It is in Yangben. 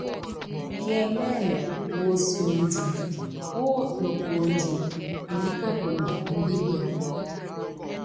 Kiɛmɛ́ɛmɛ túú, wosiondi, wúnokuondi, imbíkakunɔ, imbilia.